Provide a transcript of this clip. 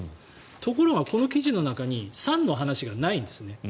ところが、この記事の中に賛の話がないんですね。